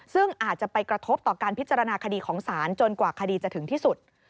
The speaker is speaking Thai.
ซึ่งอาจจะไปกระทบต่อการพิจารณาคดีของศาลจนกว่าคดีจะถึงที่สุด